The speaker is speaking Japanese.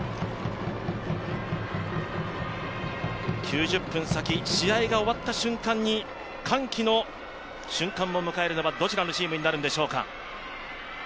９０分先、試合が終わった瞬間に歓喜の瞬間を迎えるのはどのチームになるんでしょうか。